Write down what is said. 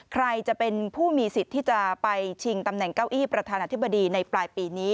ใครจะเป็นผู้มีสิทธิ์ที่จะไปชิงตำแหน่งเก้าอี้ประธานาธิบดีในปลายปีนี้